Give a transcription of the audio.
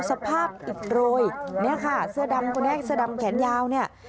สภาพอิดโรยเนี่ยค่ะเสื้อดำคนนี้เสื้อดำแขนยาวเนี่ย